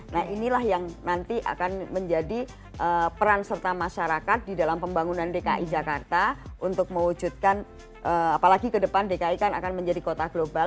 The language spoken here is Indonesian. nah inilah yang nanti akan menjadi peran serta masyarakat di dalam pembangunan dki jakarta untuk mewujudkan apalagi ke depan dki kan akan menjadi kota global